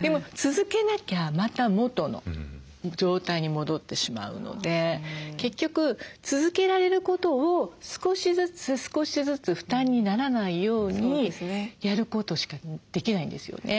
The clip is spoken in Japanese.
でも続けなきゃまた元の状態に戻ってしまうので結局続けられることを少しずつ少しずつ負担にならないようにやることしかできないんですよね。